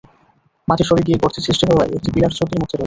মাটি সরে গিয়ে গর্তের সৃষ্টি হওয়ায় একটি পিলার ঝুঁকির মধ্যে রয়েছে।